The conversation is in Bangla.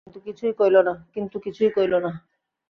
কিন্তু কিছুই কইলনা।